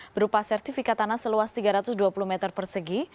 berupa sertifikat tanah seluas tiga ratus dua puluh meter persegi